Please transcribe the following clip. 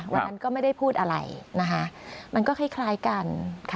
วันนั้นก็ไม่ได้พูดอะไรนะคะมันก็คล้ายกัน